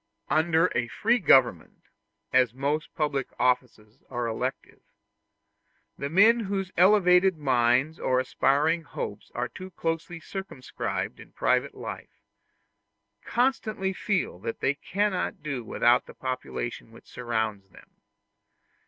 Under a free government, as most public offices are elective, the men whose elevated minds or aspiring hopes are too closely circumscribed in private life, constantly feel that they cannot do without the population which surrounds them.